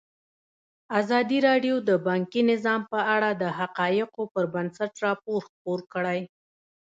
ازادي راډیو د بانکي نظام په اړه د حقایقو پر بنسټ راپور خپور کړی.